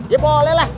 ya boleh lah